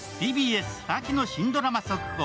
ＴＢＳ秋の新ドラマ速報。